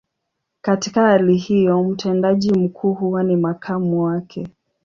Katika hali hiyo, mtendaji mkuu huwa ni makamu wake.